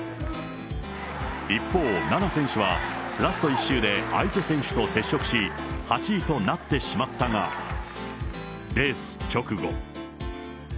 一方、菜那選手は、ラスト１周で相手選手と接触し、８位となってしまったが、レース直後。